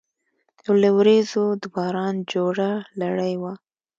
له وریځو د باران جوړه لړۍ وه